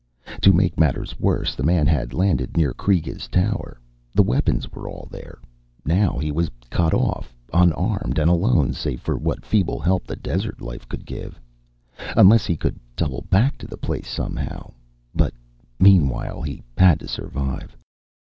To make matters worse, the man had landed near Kreega's tower. The weapons were all there now he was cut off, unarmed and alone save for what feeble help the desert life could give. Unless he could double back to the place somehow but meanwhile he had to survive.